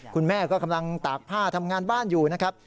คุณแม่ก็กำลังตากผ้าทำงานบ้านอยู่นะครับ